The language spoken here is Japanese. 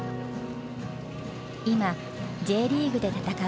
今Ｊリーグで戦うＳＣ